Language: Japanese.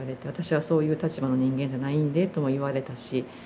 「私はそういう立場の人間じゃなんで」とも言われたし。